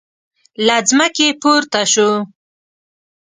له ځمکې پورته شو.